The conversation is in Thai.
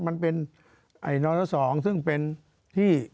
มันเป็นไอ้น้องสองซึ่งเป็นที่